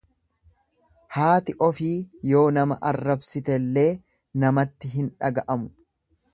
Haati ofii yoo nama arrabsitellee namatti hin dhaga'amu.